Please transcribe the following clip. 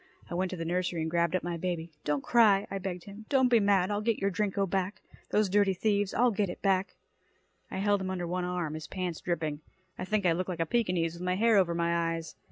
I went to the nursery and grabbed up my baby. "Don't cry," I begged him. "Don't be mad. I'll get your Drinko back. Those dirty thieves, I'll get it back." I held him under one arm, his pants dripping. I think I looked like a Pekinese, with my hair over my eyes.